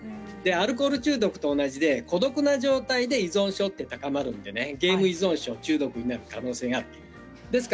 アルコール中毒と同じで孤独な状態で依存症は高まるのでゲーム依存症、中毒になる可能性があります。